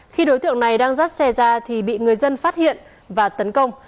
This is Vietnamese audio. khi đối tượng này đang dắt xe ra thì bị người dân phát hiện và tấn công